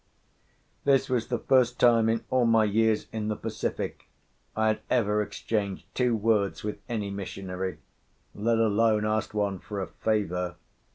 This was the first time, in all my years in the Pacific, I had ever exchanged two words with any missionary, let alone asked one for a favour.